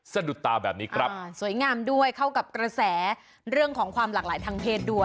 สวยงามด้วยเข้ากับกระแสเรื่องของความหลากหลายทางเพศด้วย